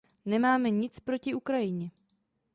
Nemáme nic proti Ukrajině.